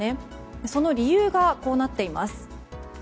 その理由が、こうなっています。